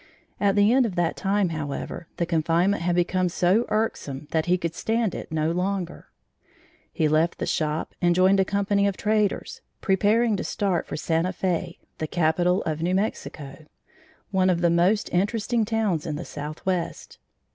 At the end of that time, however, the confinement had become so irksome that he could stand it no longer. He left the shop and joined a company of traders, preparing to start for Santa Fe, the capital of New Mexico, one of the most interesting towns in the southwest.